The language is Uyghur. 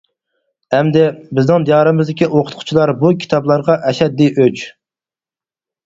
ئەمدى، بىزنىڭ دىيارىمىزدىكى ئوقۇتقۇچىلار بۇ كىتابلارغا ئەشەددىي ئۆچ.